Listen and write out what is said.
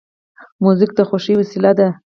موزیک د خوښۍ وسیله ده.